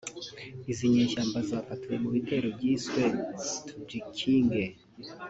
Izi nyeshyamba zafatiwe mu bitero byiswe ‘Tujikinge’